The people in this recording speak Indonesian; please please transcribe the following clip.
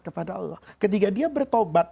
kepada allah ketika dia bertobat